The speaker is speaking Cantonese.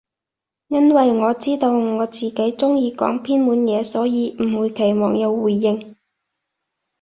因爲我知道自己中意講偏門嘢，所以唔會期望有回應